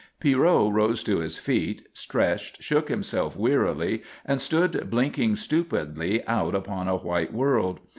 Pierrot rose to his feet, stretched, shook himself wearily, and stood blinking stupidly out upon a white world.